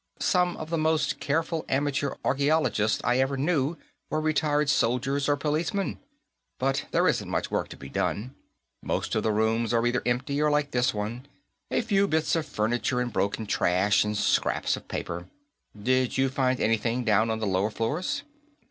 Some of the most careful amateur archaeologists I ever knew were retired soldiers or policemen. But there isn't much work to be done. Most of the rooms are either empty or like this one a few bits of furniture and broken trash and scraps of paper. Did you find anything down on the lower floors?"